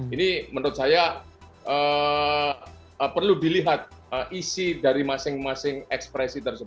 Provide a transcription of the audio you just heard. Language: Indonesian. ini menurut saya perlu dilihat isi dari masing masing ekspresi tersebut